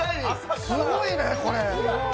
すごいね、これ。